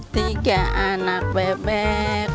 tiga anak bebek